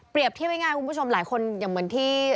เทียบง่ายคุณผู้ชมหลายคนอย่างเหมือนที่